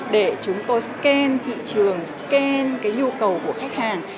để chúng tôi scan thị trường scan cái nhu cầu của khách hàng